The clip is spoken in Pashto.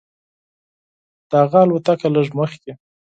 د هغه الوتکه لږ مخکې.